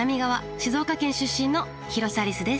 静岡県出身の広瀬アリスです。